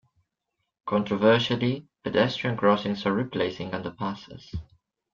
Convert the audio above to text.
Controversially, pedestrian crossings are replacing underpasses.